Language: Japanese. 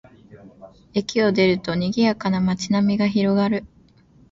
駅を出ると、にぎやかな街並みが広がる